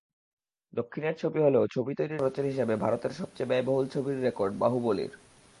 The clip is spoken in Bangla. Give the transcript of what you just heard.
দক্ষিণের ছবি হলেও ছবি তৈরির খরচের হিসাবে ভারতের সবচেয়ে ব্যয়বহুল ছবির রেকর্ড বাহুবলীর।